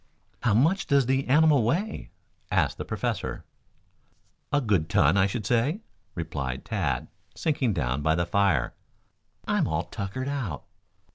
"How much does the animal weigh?" asked the Professor. "A good ton, I should say," replied Tad, sinking down by the fire. "I'm all tuckered out."